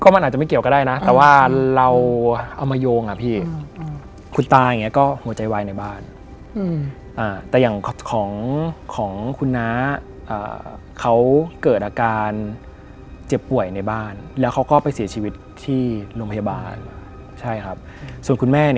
เป็นประสบการณ์ตรง